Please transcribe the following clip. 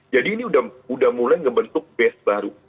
jadi ini udah mulai ngebentuk base baru